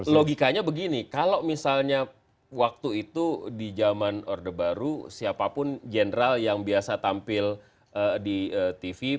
logikanya begini kalau misalnya waktu itu di zaman orde baru siapapun general yang biasa tampil di tv